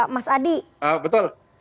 mas adi betul